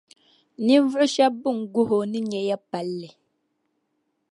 ninvuɣ’ shɛb’ bɛn guhi’ o ni nya ya’ palli.